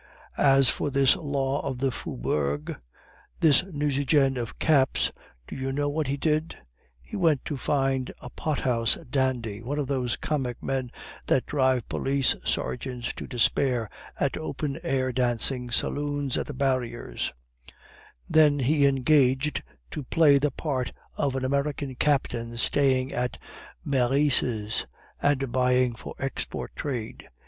As for this Law of the Faubourg, this Nucingen of caps, do you know what he did? He went to find a pothouse dandy, one of those comic men that drive police sergeants to despair at open air dancing saloons at the barriers; him he engaged to play the part of an American captain staying at Meurice's and buying for export trade.